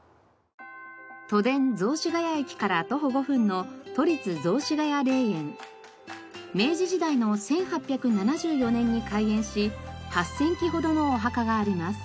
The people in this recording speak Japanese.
都電雑司ヶ谷駅から徒歩５分の明治時代の１８７４年に開園し８０００基ほどのお墓があります。